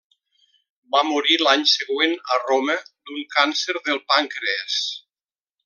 Va morir l'any següent, a Roma, d'un càncer del pàncrees.